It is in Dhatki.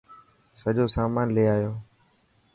سڄو سامان لي آيو.